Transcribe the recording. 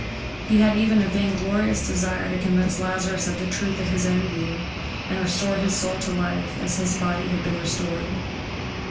He had even a vainglorious desire to convince Lazarus of the truth of his own view and restore his soul to life, as his body had been restored.